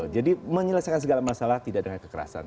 jadi menyelesaikan segala masalah tidak dengan kekerasan